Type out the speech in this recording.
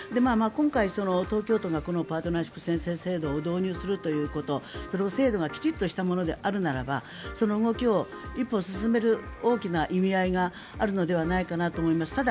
今回、東京都がこのパートナーシップ宣誓制度を導入することがそれを制度がきちんとしたものであるならばその動きを一歩進める大きな意味合いがあるのではないかなと思います。